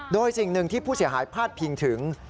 โดยสิ่งหนึ่งที่ผู้เสียหายพาดพิงถึง